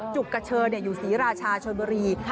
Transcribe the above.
จุกกะเชอร์อยู่สีราชาชนบรี